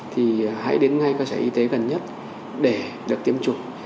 thì hãy đến ngay các trại y tế gần nhất để được tiêm chủng